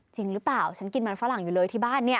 จริงหรือเปล่าฉันกินมันฝรั่งอยู่เลยที่บ้านเนี่ย